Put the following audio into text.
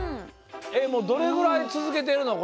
もうどれぐらいつづけてるの？